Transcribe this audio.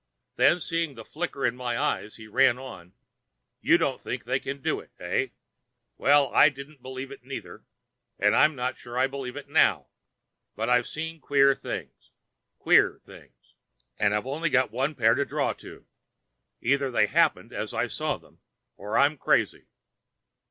Then, seeing the flicker in my eyes, he ran on: "You don't think they can do it, eh? Well, I didn't believe it neither, and I'm not sure I believe it now, but I've seen queer things—queer things—and I've only got one pair to draw to. Either they happened as I saw them or I'm crazy."